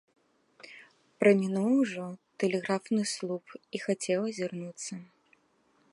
Прамінуў ужо тэлеграфны слуп і хацеў азірнуцца.